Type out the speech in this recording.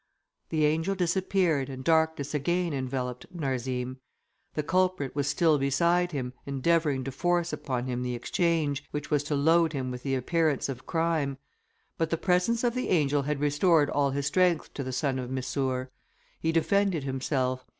The angel disappeared, and darkness again enveloped Narzim. The culprit was still beside him, endeavouring to force upon him the exchange, which was to load him with the appearance of crime: but the presence of the angel had restored all his strength to the son of Missour; he defended himself.